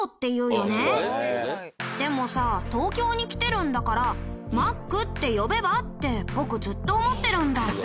でもさ東京に来てるんだから「マック」って呼べばって僕ずっと思ってるんだ。